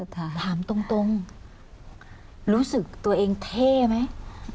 ถามตรงรู้สึกตัวเองเท่ไหม